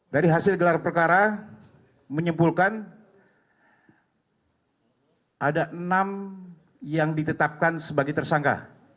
dari hasil gelar perkara menyimpulkan ada enam yang ditetapkan sebagai tersangka